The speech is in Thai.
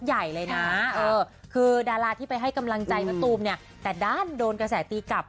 ใหญ่เลยนะเออคือดาราที่ไปให้กำลังใจมะตูมเนี่ยแต่ด้านโดนกระแสตีกลับ